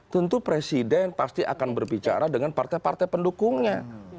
tentu presiden pasti akan berbicara dengan partai partai pendukungnya